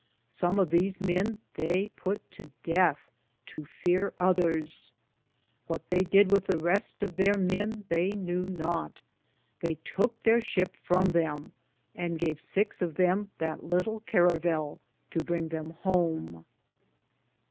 Som of these men thei put to death, to feare otheres. Whate they did with the Reste of theire men they knew not. They touke theire ship from them, and gave sixe of them that litle carvell to bringe them home.